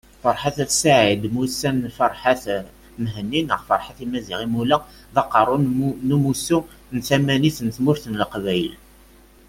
Ferḥat At Said mmusan Ferhat Mehenni neɣ Ferhat Imazighen Imula, d Aqerru n Umussu n Timanit n Tmurt n Leqbayel